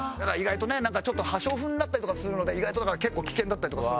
意外とねなんかちょっと破傷風になったりとかするので意外とだから結構危険だったり。